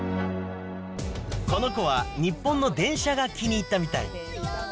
この子は日本の電車が気に入ったみたい。